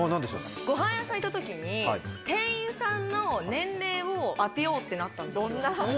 ごはん屋さんに行った時に、店員さんの年齢を当てようってなったんですよ。